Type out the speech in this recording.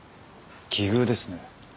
奇遇ですね。